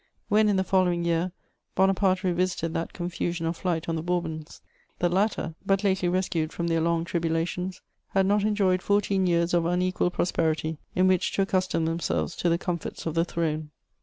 When, in the following year, Bonaparte revisited that confusion of flight on the Bourbons, the latter, but lately rescued from their long tribulations, had not enjoyed fourteen years of unequalled prosperity in which to accustom themselves to the comforts of the throne.